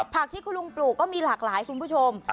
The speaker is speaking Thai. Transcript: ผักที่คุณลุงปลูกก็มีหลากหลายคุณผู้ชม